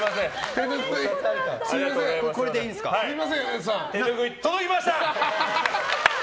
手ぬぐい、届きました！